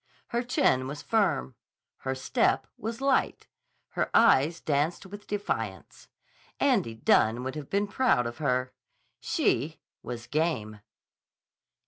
Her chin was firm. Her step was light. Her eyes danced with defiance. Andy Dunne would have been proud of her. She was game.